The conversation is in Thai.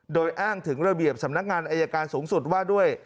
โดยอ้างถึงระเบียบสำนักงานอายการสูงสุดว่าด้วย